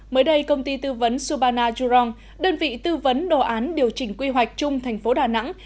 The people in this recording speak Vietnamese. mới đây công ty tư vấn subana jurong đơn vị tư vấn đồ án điều chỉnh quy hoạch chung thành phố đà nẵng